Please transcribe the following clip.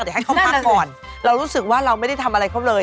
เดี๋ยวให้เขาพักก่อนเรารู้สึกว่าเราไม่ได้ทำอะไรเขาเลย